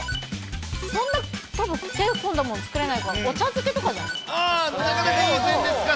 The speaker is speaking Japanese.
そんな、たぶん手の込んだもの作れないから、お茶漬けとかじゃないですか？